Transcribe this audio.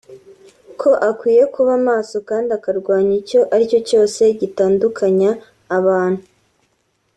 ko akwiye kuba maso kandi akarwanya icyo ari cyo cyose gitandukanya abantu